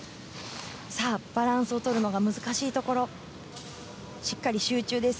バランスをとるのが難しいところしっかり集中です。